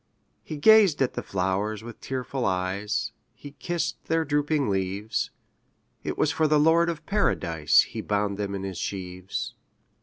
'' He gazed at the flowers with tearful eyes, He kissed their drooping leaves; It was for the Lord of Paradise He bound them in his sheaves.